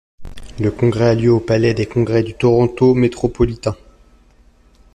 Le congrès a lieu au Palais des congrès du Toronto métropolitain.